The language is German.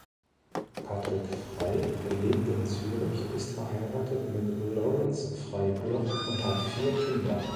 Patrick Frey lebt in Zürich, ist verheiratet mit Laurence Frey-Bloch und hat vier Kinder.